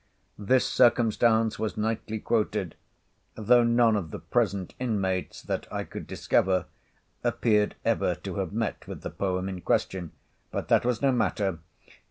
This circumstance was nightly quoted, though none of the present inmates, that I could discover, appeared ever to have met with the poem in question. But that was no matter.